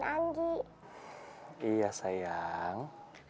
iya sayang anggi pengen pak tiap hari itu tenter rumahnya bisa nengokin